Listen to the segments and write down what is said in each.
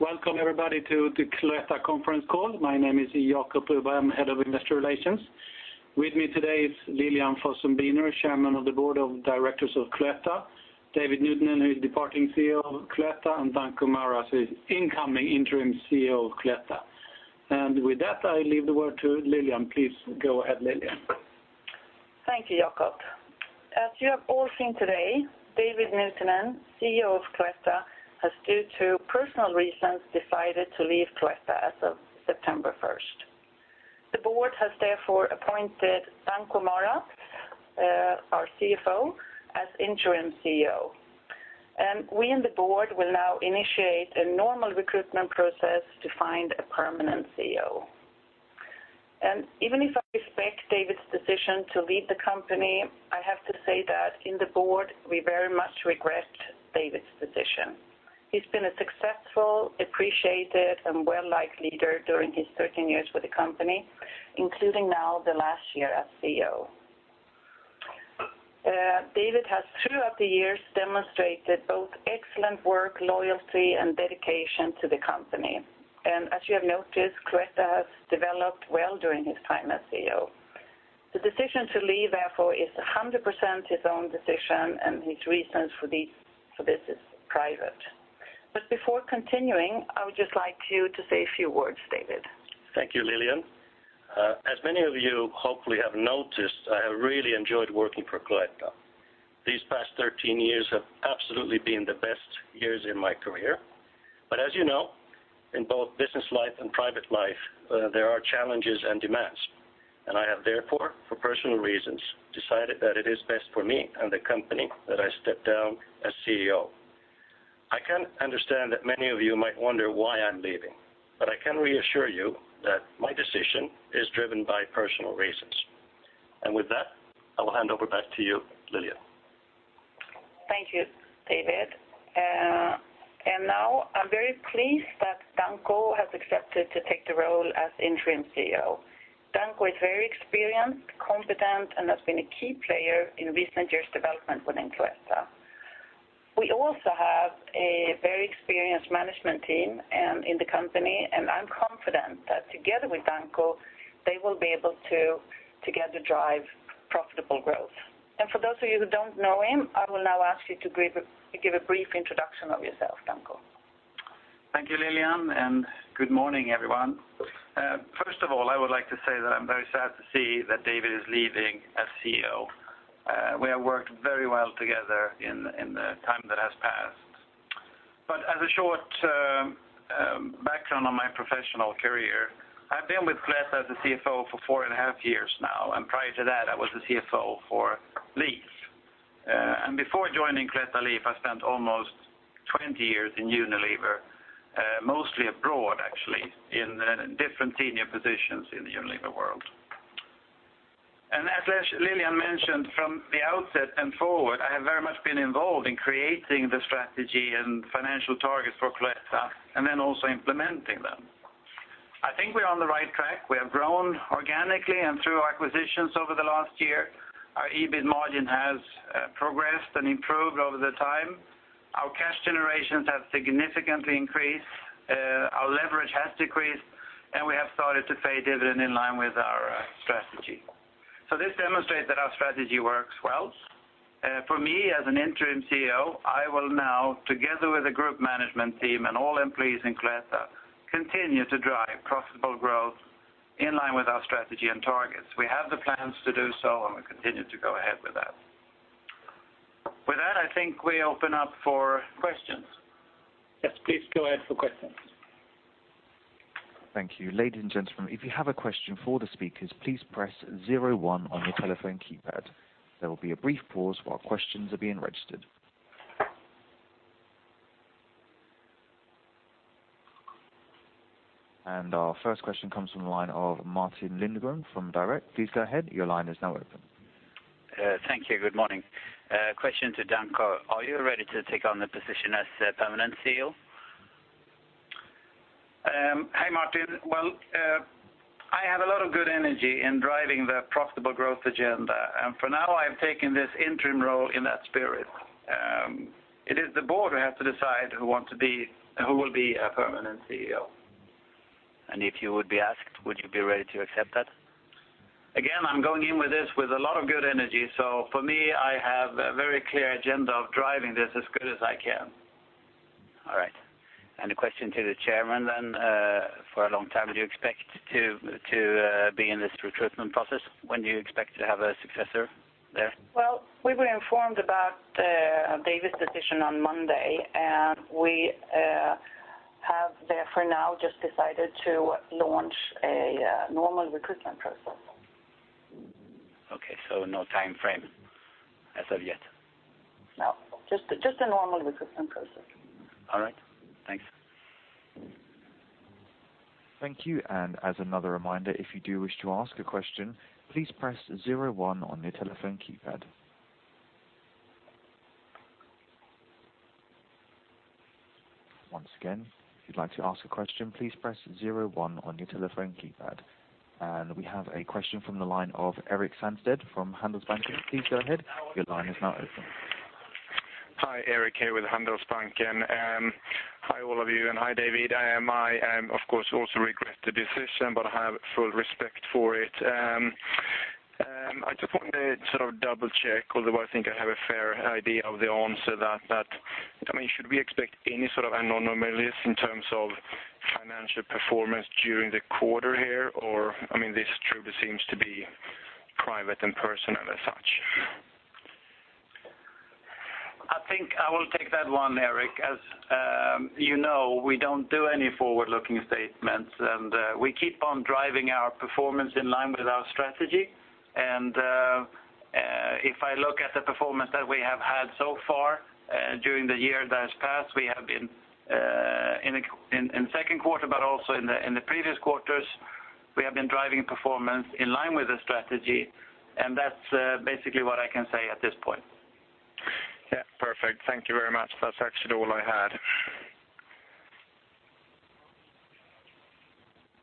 Welcome, everybody, to the Cloetta conference call. My name is Jacob Broberg, I'm head of investor relations. With me today is Lilian Fossum Biner, Chairman of the Board of Directors of Cloetta, David Nuutinen who is departing CEO of Cloetta, and Danko Maras who is incoming Interim CEO of Cloetta. With that, I leave the word to Lilian. Please go ahead, Lilian. Thank you, Jacob. As you have all seen today, David Nuutinen, CEO of Cloetta, has due to personal reasons decided to leave Cloetta as of September 1st. The board has therefore appointed Danko Maras, our CFO, as Interim CEO. We in the board will now initiate a normal recruitment process to find a permanent CEO. Even if I respect David's decision to leave the company, I have to say that in the board we very much regret David's decision. He's been a successful, appreciated, and well-liked leader during his 13 years with the company, including now the last year as CEO. David has, throughout the years, demonstrated both excellent work, loyalty, and dedication to the company. As you have noticed, Cloetta has developed well during his time as CEO. The decision to leave, therefore, is 100% his own decision, and his reasons for this are private. Before continuing, I would just like you to say a few words, David. Thank you, Lilian. As many of you hopefully have noticed, I have really enjoyed working for Cloetta. These past 13 years have absolutely been the best years in my career. But as you know, in both business life and private life, there are challenges and demands. And I have therefore, for personal reasons, decided that it is best for me and the company that I step down as CEO. I can understand that many of you might wonder why I'm leaving, but I can reassure you that my decision is driven by personal reasons. And with that, I will hand over back to you, Lilian. Thank you, David. Now I'm very pleased that Danko has accepted to take the role as Interim CEO. Danko is very experienced, competent, and has been a key player in recent years' development within Cloetta. We also have a very experienced management team in the company, and I'm confident that together with Danko, they will be able to together drive profitable growth. For those of you who don't know him, I will now ask you to give a brief introduction of yourself, Danko. Thank you, Lilian, and good morning, everyone. First of all, I would like to say that I'm very sad to see that David is leaving as CEO. We have worked very well together in the time that has passed. But as a short background on my professional career, I've been with Cloetta as a CFO for 4.5 years now, and prior to that, I was a CFO for Leaf. And before joining Cloetta Leaf, I spent almost 20 years in Unilever, mostly abroad, actually, in different senior positions in the Unilever world. And as Lilian mentioned, from the outset and forward, I have very much been involved in creating the strategy and financial targets for Cloetta and then also implementing them. I think we are on the right track. We have grown organically and through acquisitions over the last year. Our EBIT margin has progressed and improved over the time. Our cash generations have significantly increased. Our leverage has decreased, and we have started to pay dividend in line with our strategy. So this demonstrates that our strategy works well. For me, as an Interim CEO, I will now, together with the group management team and all employees in Cloetta, continue to drive profitable growth in line with our strategy and targets. We have the plans to do so, and we continue to go ahead with that. With that, I think we open up for questions. Yes, please go ahead for questions. Thank you. Ladies and gentlemen, if you have a question for the speakers, please press zero one on your telephone keypad. There will be a brief pause while questions are being registered. Our first question comes from the line of Martin Lindholm from Direkt. Please go ahead. Your line is now open. Thank you. Good morning. Question to Danko. Are you ready to take on the position as permanent CEO? Hey, Martin. Well, I have a lot of good energy in driving the profitable growth agenda, and for now, I've taken this interim role in that spirit. It is the board who has to decide who will be a permanent CEO. If you would be asked, would you be ready to accept that? Again, I'm going in with this with a lot of good energy. So for me, I have a very clear agenda of driving this as good as I can. All right. A question to the chairman then. For a long time, do you expect to be in this recruitment process? When do you expect to have a successor there? Well, we were informed about David's decision on Monday, and we have therefore now just decided to launch a normal recruitment process. Okay. So no time frame as of yet? No. Just a normal recruitment process. All right. Thanks. Thank you. As another reminder, if you do wish to ask a question, please press 01 on your telephone keypad. Once again, if you'd like to ask a question, please press zero one on your telephone keypad. We have a question from the line of Erik Sandstedt from Handelsbanken. Please go ahead. Your line is now open. Hi, Erik. Here with Handelsbanken. Hi, all of you. Hi, David. I, of course, also regret the decision, but I have full respect for it. I just want to sort of double-check, although I think I have a fair idea of the answer that I mean, should we expect any sort of anomalies in terms of financial performance during the quarter here, or I mean, this truly seems to be private and personal as such? I think I will take that one, Erik. As you know, we don't do any forward-looking statements, and we keep on driving our performance in line with our strategy. And if I look at the performance that we have had so far during the year that has passed, we have been in the second quarter, but also in the previous quarters, we have been driving performance in line with the strategy. And that's basically what I can say at this point. Yeah. Perfect. Thank you very much. That's actually all I had.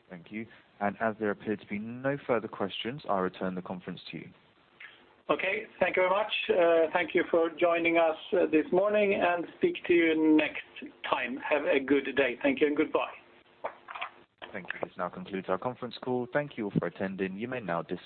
Thank you. As there appear to be no further questions, I return the conference to you. Okay. Thank you very much. Thank you for joining us this morning, and speak to you next time. Have a good day. Thank you, and goodbye. Thank you. This now concludes our conference call. Thank you all for attending. You may now disconnect.